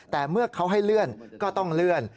แต่เมื่อเขาให้เลื่อนก็ต้องเลื่อน